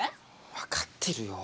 分かってるよ。